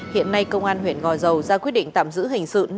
hiện nay công an huyện gò dầu ra quyết định tạm giữ hình sự